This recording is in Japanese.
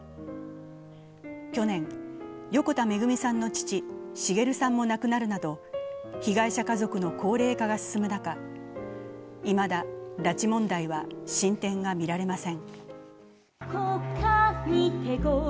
去年、横田めぐみさんの父滋さんも亡くなるなど被害者家族の高齢化が進む中いまだ拉致問題は進展が見られません。